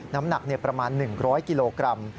น้ำหนักประมาณ๑๐๐กิโลกรัม